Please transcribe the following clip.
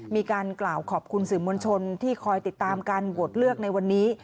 มีการกล่าวขอบคุณสื่อมวลชนที่คอยติดตามการโหวตเลือกในวันนี้